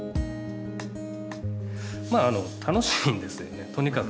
まあ楽しいんですねとにかく。